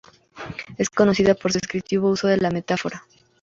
Es conocida por su descriptivo uso de la metáfora.